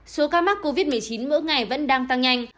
số ca mắc covid một mươi chín mỗi ngày vẫn đang tăng nhanh